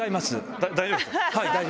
大丈夫ですか？